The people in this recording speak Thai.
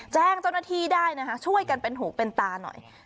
แจ้งเจ้าหน้าที่ได้นะคะช่วยกันเป็นหูเป็นตาหน่อย